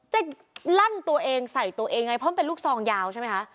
จะลั่นตัวเองใส่ตัวเองไงเพราะมันเป็นลูกซองยาวใช่ไหมคะ